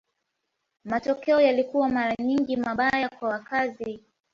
Matokeo yalikuwa mara nyingi mabaya kwa wakazi.